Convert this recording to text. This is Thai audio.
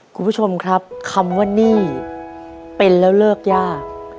คุณผู้ชมครับคำว่าหนี้เป็นแล้วเลิกยาก